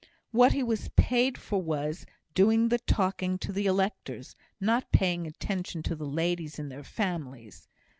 What he was paid for was doing the talking to the electors, not paying attention to the ladies in their families.